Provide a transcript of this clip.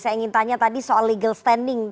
saya ingin tanya tadi soal legal standing